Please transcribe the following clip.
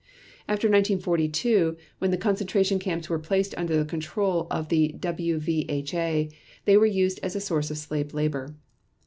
After 1942 when the concentration camps were placed under the control of the WVHA they were used as a source of slave labor.